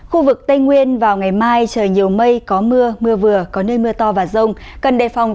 khu vực tây nguyên vào ngày mai trời nhiều mây có mưa mưa vừa có nơi mưa to và rông cần đề phòng